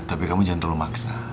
tapi kamu jangan terlalu maksa